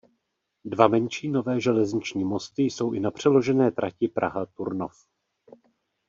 Dva menší nové železniční mosty jsou i na přeložené trati Praha–Turnov.